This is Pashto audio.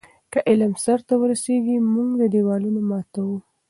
که علم سرته ورسیږي، موږ دیوالونه ماتوو.